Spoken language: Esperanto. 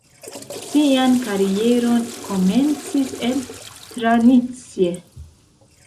Sian karieron komencis en Hranice.